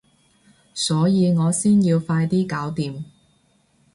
所以我先要快啲搞掂